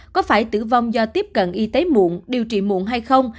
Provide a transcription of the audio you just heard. có phải tử vong do tiếp cận y tế mụn điều trị mụn hay không